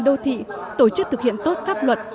đô thị tổ chức thực hiện tốt pháp luật